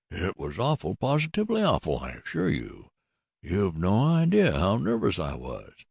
It was awful positively awful, I assure you. You've no idea how nervous I was.